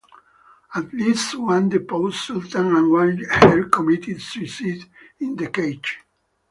At least one deposed sultan and one heir committed suicide in the Cage.